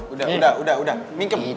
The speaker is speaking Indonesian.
udah udah udah udah mingkep mingkep